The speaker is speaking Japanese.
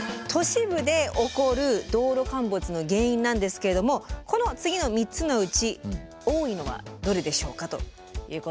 都市部で起こる道路陥没の原因なんですけれどもこの次の３つのうち多いのはどれでしょうかということで。